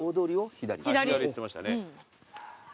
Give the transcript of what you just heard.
左って言ってましたね。